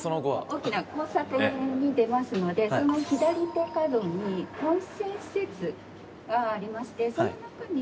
大きな交差点に出ますのでその左手角に温泉施設がありましてその中に。